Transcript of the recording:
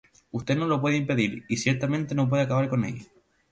Usted no lo puede impedir y ciertamente no puede acabar con ella.